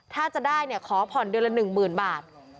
ถ้าจะได้ขอผ่อนเดือนละ๑๐๐๐บาท